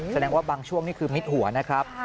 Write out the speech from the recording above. แสดงว่าบางช่วงนี่คือมิดหัวนะครับ